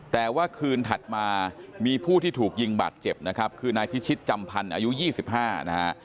แต่ว่าคืนถัดมามีผู้ที่ถูกยิงบาดเจ็บนะครับคือนายพิชิตจำพันธ์อายุ๒๕นะฮะ